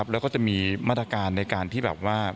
แล้วก็จะมีมาตรการในการที่แบบว่า